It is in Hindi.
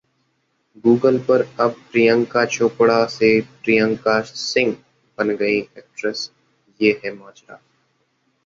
गूगल पर अब प्रियंका चोपड़ा से 'प्रियंका सिंह' बन गईं एक्ट्रेस, ये है माजरा?